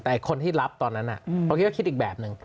แต่คนที่รับตอนนั้นผมคิดว่าคิดอีกแบบหนึ่ง